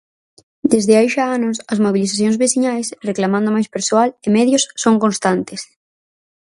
Desde hai xa anos, as mobilizacións veciñais reclamando máis persoal e medios son constantes.